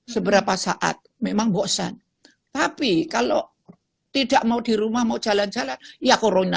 seberapa saat memang boksan tapi kalau tidak mau di rumah mau jalan jalan ya corona ya mau jalan jalan